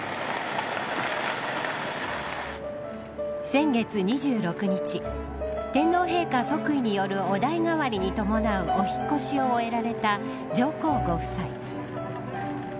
先月２６日天皇陛下即位によるお代替わりに伴うお引っ越しを終えられた上皇ご夫妻。